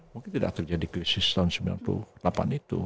mungkin tidak terjadi krisis tahun sembilan puluh delapan itu